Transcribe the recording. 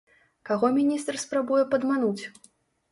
Каго міністр спрабуе падмануць?